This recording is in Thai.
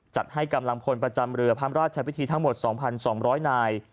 จัดให้กำลังพลประจำเมลอพระราชแบตพิธีทั้งหมดสองพันสองร้อยนาย